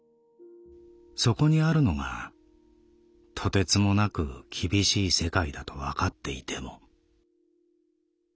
そこにあるのがとてつもなく厳しい世界だとわかっていても」。